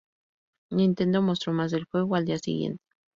Nintendo mostró más del juego al día siguiente.